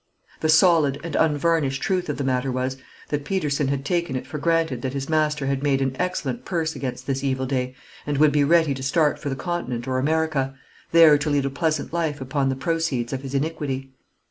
The solid and unvarnished truth of the matter was, that Peterson had taken it for granted that his master had made an excellent purse against this evil day, and would be ready to start for the Continent or America, there to lead a pleasant life upon the proceeds of his iniquity.